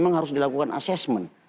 jadi kita harus dilakukan assessment